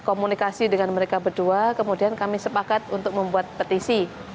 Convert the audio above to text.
komunikasi dengan mereka berdua kemudian kami sepakat untuk membuat petisi